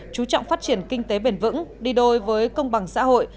chú trọng phát triển kinh tế bền vững đi đôi với công bằng xã hội